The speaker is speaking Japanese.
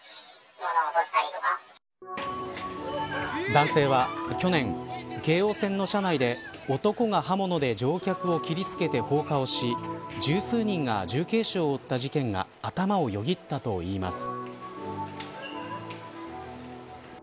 男性は去年京王線の車内で男が刃物で乗客を切りつけて放火をし十数人が重軽傷を負った事件が頭をよぎったといいます。